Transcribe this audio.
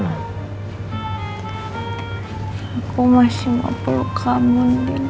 aku masih mau peluk kamu